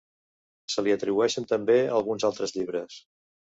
Se li atribueixen també alguns altres llibres.